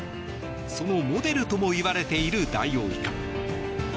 そのモデルともいわれているダイオウイカ。